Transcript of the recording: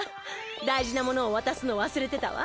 大事なものを渡すの忘れてたわ。